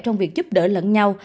trong việc giúp đỡ lẫn nhau